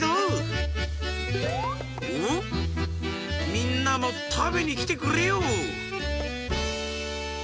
みんなもたべにきてくれよう！